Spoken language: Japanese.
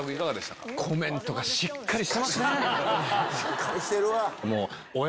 しっかりしてるわ。